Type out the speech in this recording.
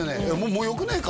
「もうよくねえか？」